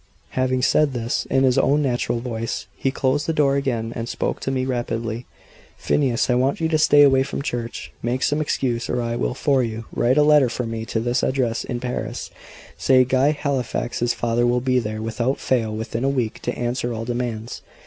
Having said this, in his own natural voice, he closed the door again, and spoke to me rapidly. "Phineas, I want you to stay away from church; make some excuse, or I will for you. Write a letter for me to this address in Paris. Say Guy Halifax's father will be there, without fail, within a week, to answer all demands."